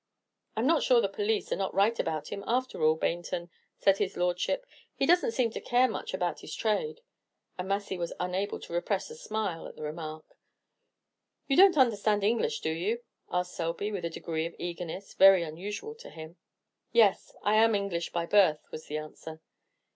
"I 'm not sure the police are not right about him, after all, Baynton," said his Lordship; "he doesn't seem to care much about his trade;" and Massy was unable to repress a smile at the remark. "You don't understand English, do you?" asked Selby, with a degree of eagerness very unusual to him. "Yes, I am English by birth," was the answer.